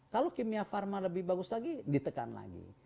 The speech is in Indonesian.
kalau kimia pharma lebih bagus lagi ditekan lagi